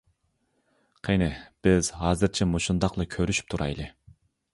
قېنى، بىز ھازىرچە مۇشۇنداقلا كۆرۈشۈپ تۇرايلى.